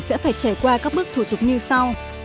sẽ phải trải qua các bước thủ tục như sau